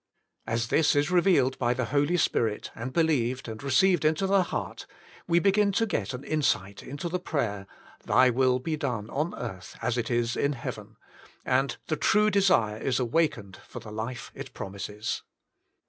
As this is re vealed by the Holy Spirit, and believed, and re ceived into the heart, we begin to get an insight The Will of God 107 into the prayer, "Thy will be done on earth as it is in heaven/^ and the true desire is awakened for the life it promises.